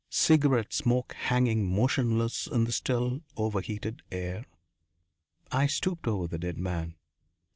Cigarette smoke hanging motionless in the still, overheated air.... I stooped over the dead man.